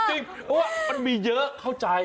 เพราะว่ามันมีเยอะเข้าใจ